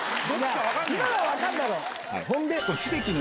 今のは分かるだろ。